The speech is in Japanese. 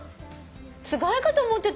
つがいかと思ってたよ。